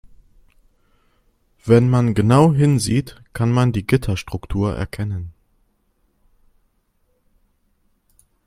Wenn man genau hinsieht, kann man die Gitterstruktur erkennen.